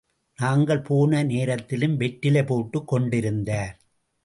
நாங்கள் போன நேரத்திலும் வெற்றிலை போட்டுக் கொண்டிருந்தார்.